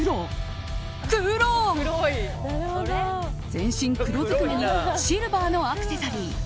全身黒ずくめにシルバーのアクセサリー。